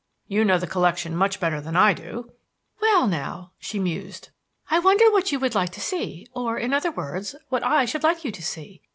"You know the collection much better than I do." "Well, now," she mused, "I wonder what you would like to see; or, in other words, what I should like you to see.